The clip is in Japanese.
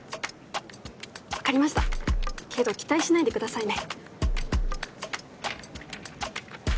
分かりましたけど期待しないでくださいね。